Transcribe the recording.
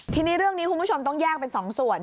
ทีนี้เรื่องนี้คุณผู้ชมต้องแยกเป็น๒ส่วน